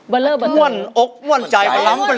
มั่วออกมั่วใจขนาด